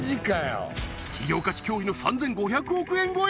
企業価値驚異の３５００億円超え！